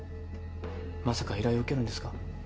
まさか依頼を受けるんですか？